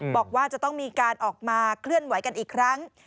บอกว่าจะต้องมีการออกมาเคลื่อนไหวกันอีกครั้ง